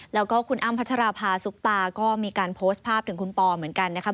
แล้วก็คุณอ้ำพัชราภาซุปตาก็มีการโพสต์ภาพถึงคุณปอเหมือนกันนะครับ